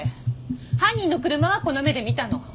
犯人の車はこの目で見たの。